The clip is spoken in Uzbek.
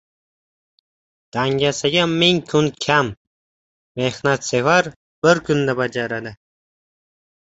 • Dangasaga ming kun kam, mehnatsevar bir kunda bajaradi.